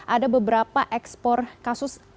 ada beberapa ekspor kasus